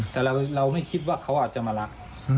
แต่เราไม่คิดว่าเขาอาจจะมารัก